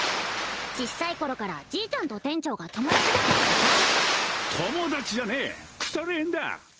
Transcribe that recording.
ちっさい頃からじいちゃんと店長が友達だったからさ友達じゃねえ腐れ縁だ！